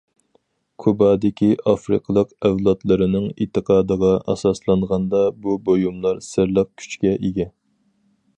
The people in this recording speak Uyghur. كۇبادىكى ئافرىقىلىق ئەۋلادلىرىنىڭ ئېتىقادىغا ئاساسلانغاندا، بۇ بۇيۇملار سىرلىق كۈچكە ئىگە.